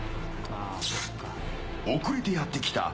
遅れてやってきた